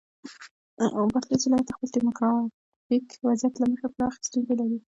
بادغیس ولایت د خپل دیموګرافیک وضعیت له مخې پراخې ستونزې لري.